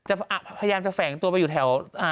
พยายามจะแฝงตัวไปอยู่แถว